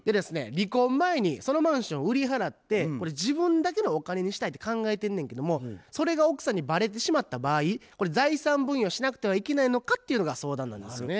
離婚前にそのマンション売り払って自分だけのお金にしたいって考えてんねんけどもそれが奥さんにバレてしまった場合これ財産分与しなくてはいけないのかっていうのが相談なんですよね。